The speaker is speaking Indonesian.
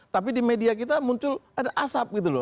tapi di media kita muncul ada asap gitu loh